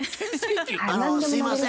あのすいません。